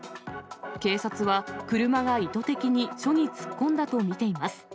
警察は車が意図的に署に突っ込んだと見ています。